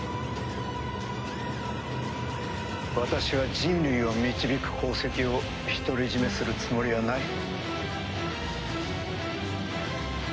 私は人類を導く功績を独り占めするつもりはない。